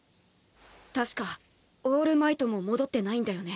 たしかオールマイトも戻ってないんだよね。